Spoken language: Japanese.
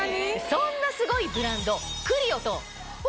そんなすごいブランド。